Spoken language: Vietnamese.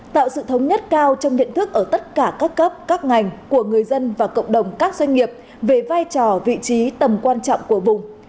tạo sự thống nhất cao trong nhận thức ở tất cả các cấp các ngành của người dân và cộng đồng các doanh nghiệp về vai trò vị trí tầm quan trọng của vùng